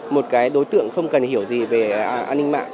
một cái đối tượng không cần hiểu gì về an ninh mạng